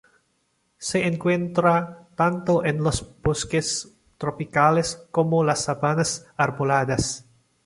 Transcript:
Se encuentra tanto en los bosques tropicales como las sabanas arboladas.